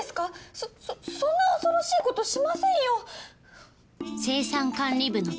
そそそんな恐ろしいことしませんよ！